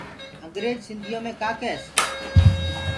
انٚگريج سنٚڌيو مي ڪآ ڪيس تيٚ